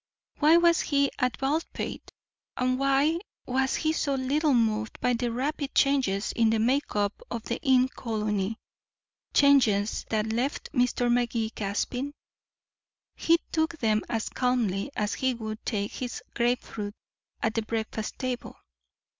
Why was he at Baldpate? And why was he so little moved by the rapid changes in the make up of the inn colony changes that left Mr. Magee gasping? He took them as calmly as he would take his grapefruit at the breakfast table.